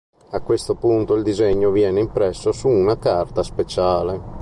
A questo punto il disegno viene impresso su una carta speciale.